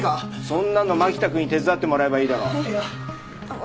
そんなの蒔田くんに手伝ってもらえばいいだろう。えっ！